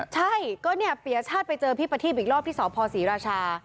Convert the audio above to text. ใช่ก็เนี่ยเปียชาติไปเจอพี่ประทีบอีกรอบที่สพศรีราชา